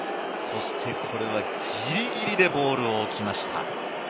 ギリギリでボールを置きました。